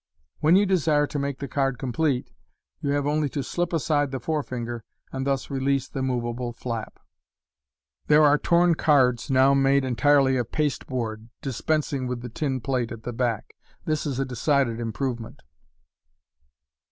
When you desire to make the card complete, you have ooly to slip aside the forefinger, and thus release the moveable rlap. There are torn cards now made entirely of pasteboard, dispensing with the tin plate at the back. This is a decided improvement.